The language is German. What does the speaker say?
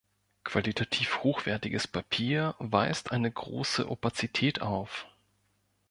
Qualitativ hochwertiges Papier weist eine große Opazität auf.